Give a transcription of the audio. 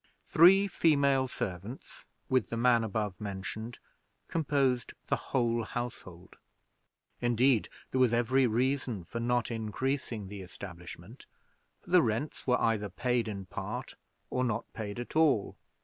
Three female servants, with the man above mentioned, composed the whole household. Indeed, there was every reason for not increasing the establishment, for the rents were either paid in part, or not paid at all.